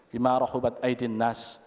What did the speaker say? di ma'ruf bat'aidin nas